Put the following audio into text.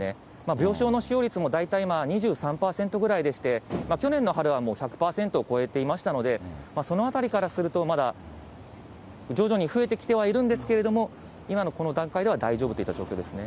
病床の使用率も大体２３％ぐらいでして、去年の春は１００％を超えていましたので、そのあたりからすると、まだ、徐々に増えてきてはいるんですけれども、今のこの段階では大丈夫といった状況ですね。